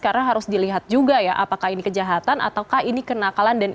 karena harus dilihat juga ya apakah ini kejahatan ataukah ini kenakalan